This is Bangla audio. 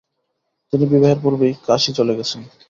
তিনি বিবাহের পূর্বেই কাশী চলে গেছেন।